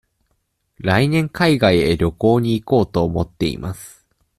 来年海外へ旅行に行こうと思っています。